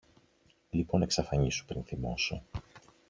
Λοιπόν εξαφανίσου πριν θυμώσω.